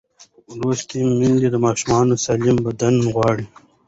لوستې میندې د ماشوم سالم بدن غواړي.